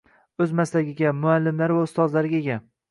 O‘z maslagiga, muallimlari va ustozlariga ega.